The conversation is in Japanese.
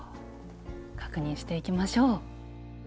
確認していきましょう！